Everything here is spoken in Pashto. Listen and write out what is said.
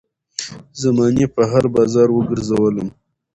زمانې په هـــــر بازار وګرځــــــــــولم